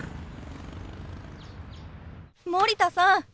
森田さん